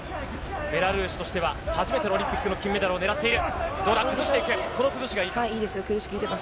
ベラルーシとしては初めてのオリンピックの金メダルを狙っている。